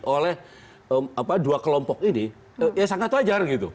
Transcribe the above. oleh dua kelompok ini ya sangat wajar gitu